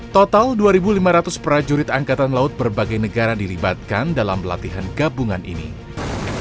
total dua lima ratus prajurit angkatan laut berbagai negara dilibatkan dalam latihan gabungan ini